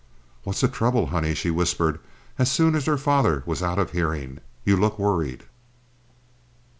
"What's the trouble, honey?" she whispered, as soon as her father was out of hearing. "You look worried."